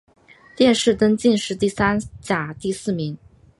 殿试登进士第三甲第四名。